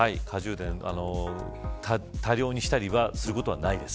多量にすることはないです。